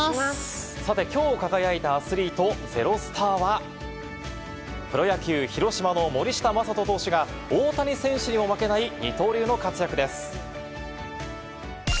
さて、今日輝いたアスリート「＃ｚｅｒｏｓｔａｒ」はプロ野球、広島の森下暢仁投手が大谷選手にも負けない二刀流の活躍です。